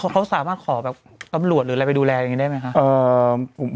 เขาสามารถขอแบบตำรวจหรืออะไรไปดูแลอย่างนี้ได้ไหมคะ